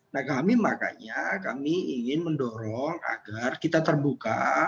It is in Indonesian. nah kami makanya kami ingin mendorong agar kita terbuka